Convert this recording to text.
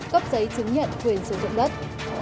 cấp giấy chứng nhận quyền sử dụng đất